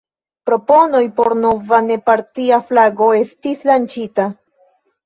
Proponoj por nova, ne-partia flago estis lanĉita.